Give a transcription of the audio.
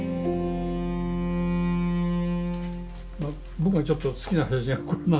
僕がちょっと好きな写真はこれなんですよね。